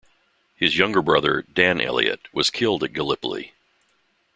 His younger brother Dan Elliot was killed at Gallipoli.